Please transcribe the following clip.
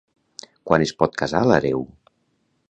Quan es pot casar l'hereu?